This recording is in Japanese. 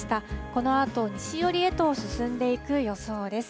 このあと西寄りへと進んでいく予想です。